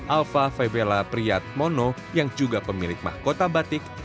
alva faibela priat mono yang juga pemilik mahkota batik